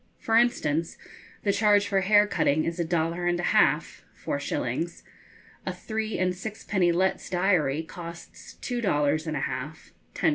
For instance, the charge for hair cutting is a dollar and a half (4s.), a three and sixpenny Letts's Diary costs two dollars and a half (10s.)